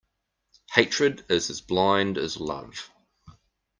Hatred is as blind as love.